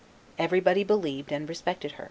Everybody believed and respected her.